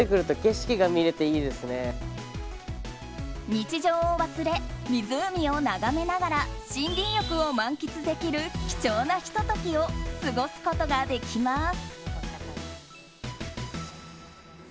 日常を忘れ湖を眺めながら森林浴を満喫できる貴重なひと時を過ごすことができます。